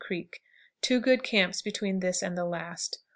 Creek. Two good camps between this and the last.